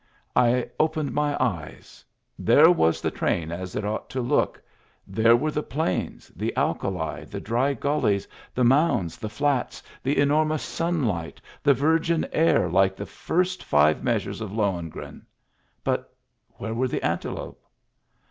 I opened my eyes; there was the train as it ought to look, there were the plains, the alkali, the dry gullies, the mounds, the flats, the enormous sunlight, the virgin air like the first five measures of Lohengrin — but where were the antelope